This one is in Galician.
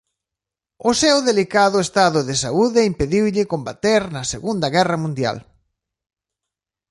O seu delicado estado de saúde impediulle combater na Segunda Guerra Mundial.